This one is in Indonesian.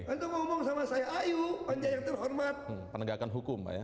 nanti mau ngomong sama saya ayo panjang yang terhormat penegakan hukum ya